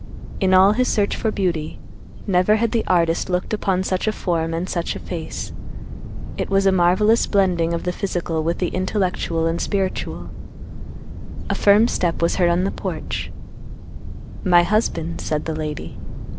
In all his search for beauty, never had the artist looked upon such a form and such a face. It was a marvelous blending of the physical with the intellectual and spiritual. A firm step was heard on the porch. "My husband," said the lady.